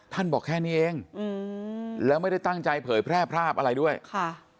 บอกแค่นี้เองอืมแล้วไม่ได้ตั้งใจเผยแพร่ภาพอะไรด้วยค่ะ